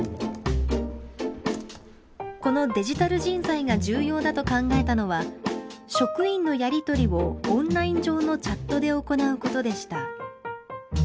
このデジタル人材が重要だと考えたのは職員のやり取りをオンライン上のチャットで行うことでした。